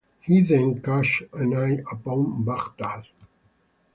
He then cast an eye upon Baghdad.